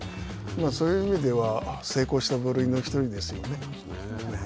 そういう意味では成功した部類の１人ですよね。